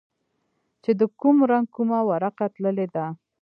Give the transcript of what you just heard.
چې د کوم رنگ کومه ورقه تللې ده.